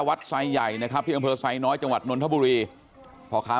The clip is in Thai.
ไซใหญ่นะครับที่อำเภอไซน้อยจังหวัดนนทบุรีพ่อค้า